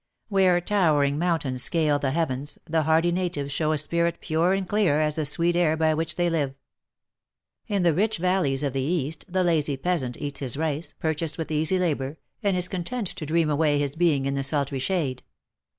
Where towering mountains scale the heavens the hardy natives show a spirit pure and clear as the sweet air by which they live. In the rich valleys of the East the lazy pea sant eats his rice, purchased with easy labour, and is content to dream away his being in the sultry shade.